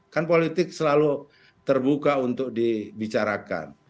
kan politik selalu terbuka untuk dibicarakan